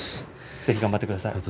ぜひ頑張ってください。